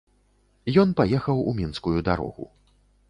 Ён паехаў у мінскую дарогу.